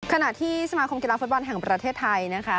ขณะที่สมาคมกีฬาฟุตบอลแห่งประเทศไทยนะคะ